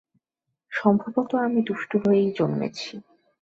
সম্ভবত আমি দুষ্টু হয়েই জন্মেছি।